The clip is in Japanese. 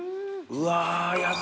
うわ。